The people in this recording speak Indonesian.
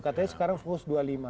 katanya sekarang fokus dua puluh lima